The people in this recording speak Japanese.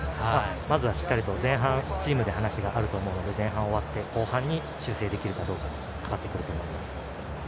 まずはチームで話があると思うので後半に修正できるかどうかにかかってくると思います。